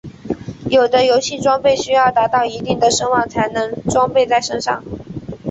有的游戏装备需要达到一定的声望才能装备在身上。